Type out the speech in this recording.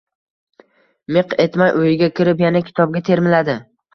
Miq etmay uyiga kirib yana kitobga termiladi.